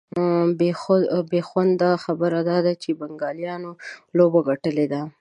بېخونده خبر دا دی چي بنګالیانو لوبه ګټلې ده